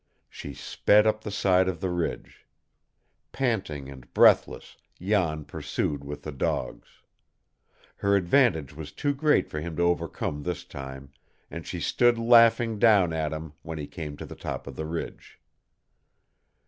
She sped up the side of the ridge. Panting and breathless, Jan pursued with the dogs. Her advantage was too great for him to overcome this time, and she stood laughing down at him when he came to the top of the ridge.